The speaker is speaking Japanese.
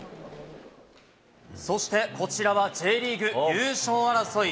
そしてこちらはＪリーグ、優勝争い。